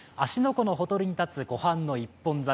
湖のほとりに立つ湖畔の一本桜。